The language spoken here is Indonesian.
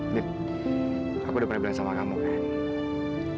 nip aku udah pernah bilang sama kamu kan